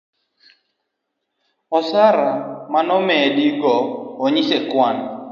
osara manomedi go inyis e kwan